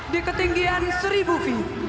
di ketinggian seribu feet